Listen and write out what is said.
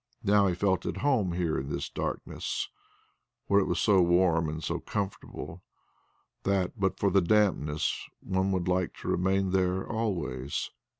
Now he felt at home here in this darkness where it was so warm and so comfortable, that, but for the dampness, one would like to remain there always!